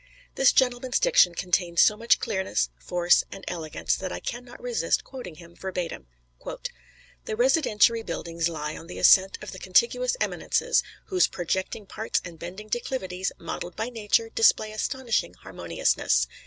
This gentleman's diction contains so much clearness, force and elegance that I can not resist quoting him verbatim: "The residentiary buildings lie on the ascent of the contiguous eminences, whose projecting parts and bending declivities, modeled by Nature, display astonishing harmoniousness.